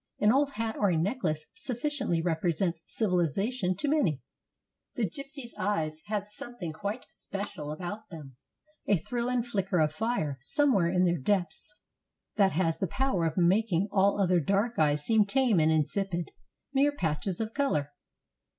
An old hat or a necklace sufficiently represents civilization to many. The g>psy eyes have something quite special about them — a thrill and flicker of fire somewhere in their depths that has the power of making all other dark eyes seem tame and in sipid, mere patches of color.